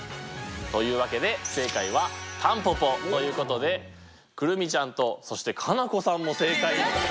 というわけで正解は「タンポポ」ということで来泉ちゃんとそして佳菜子さんも正解です！